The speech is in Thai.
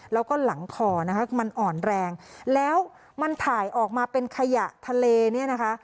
แล้วก็หลังคอนะคะมันอ่อนแรงแล้วมันถ่ายออกมาเป็นขยะทะเลเนี่ยนะคะ